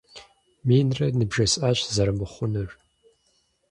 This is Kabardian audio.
Минрэ ныбжесӏащ зэрымыхъунур!